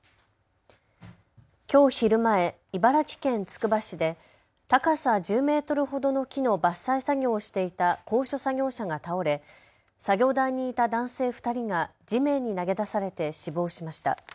きょう昼前、茨城県つくば市で高さ１０メートルほどの木の伐採作業をしていた高所作業車が倒れ作業台にいた男性２人が地面に投げ出されて死亡しました。